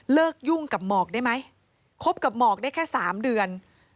ยุ่งกับหมอกได้ไหมคบกับหมอกได้แค่๓เดือน